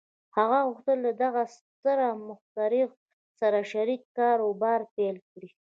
هغه غوښتل له دغه ستر مخترع سره شريک کاروبار پيل کړي.